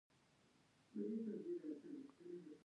جميلې وويل: زه پوهیږم ته ډېر ښه او نرم زړی یې.